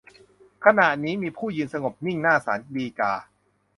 ขณะนี้มีผู้ยืนสงบนิ่งหน้าศาลฎีกา